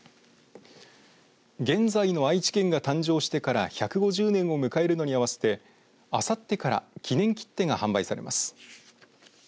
現在の愛知県が誕生してから１５０年を迎えるのに合わせてあさってから記念切手が販売されます。